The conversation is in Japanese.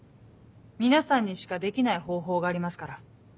皆さんにしかできない方法がありますから。